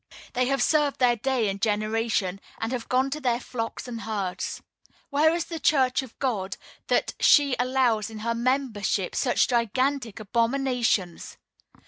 They have served their day and generation, and have gone to their flocks and herds. Where is the Church of God, that she allows in her membership such gigantic abominations?